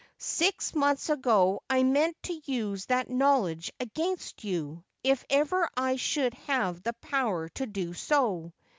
Six months ago I meant to use that knowledge against you, if ever I should have the power to do so.